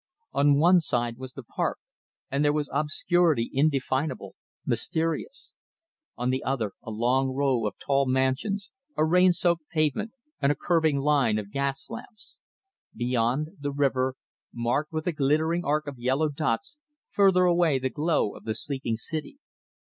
On one side was the Park, and there was obscurity indefinable, mysterious; on the other a long row of tall mansions, a rain soaked pavement, and a curving line of gas lamps. Beyond, the river, marked with a glittering arc of yellow dots; further away the glow of the sleeping city.